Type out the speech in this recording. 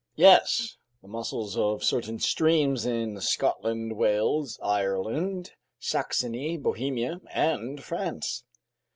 "Yes! The mussels of certain streams in Scotland, Wales, Ireland, Saxony, Bohemia, and France."